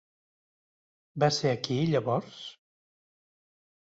Va ser aquí, llavors?